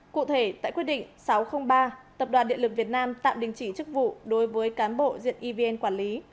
cụ thể tại quyết định sáu trăm linh ba tập đoàn điện lực việt nam tạm đình chỉ chức vụ đối với cán bộ diện evn quản lý